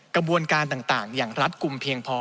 กระบวนการต่างอย่างรัฐกลุ่มเพียงพอ